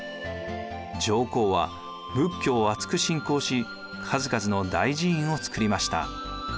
上皇は仏教をあつく信仰し数々の大寺院を造りました。